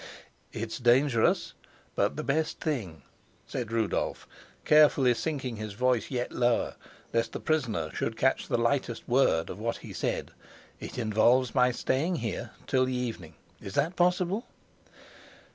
"It's dangerous, but the best thing," said Rudolf, carefully sinking his voice yet lower, lest the prisoner should catch the lightest word of what he said. "It involves my staying here till the evening. Is that possible?"